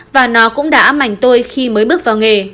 và nó cũng đã ám ảnh tôi khi mới bước vào nghề